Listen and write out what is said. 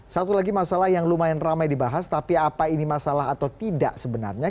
satu lagi masalah yang lumayan ramai dibahas tapi apa ini masalah atau tidak sebenarnya